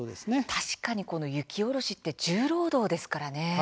確かに、この雪下ろしって重労働ですからね。